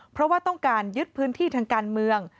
เพราะว่าต้องการยึดพื้นที่ทางการเมือง